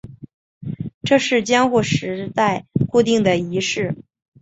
这是江户时代固定的仪式。